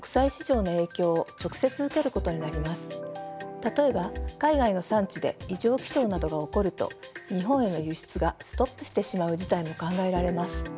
例えば海外の産地で異常気象などが起こると日本への輸出がストップしてしまう事態も考えられます。